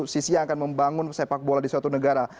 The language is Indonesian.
sisi yang akan membangun sepak bola di suatu negara